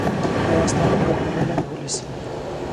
Հայաստանում գտնվել են հուլիսին։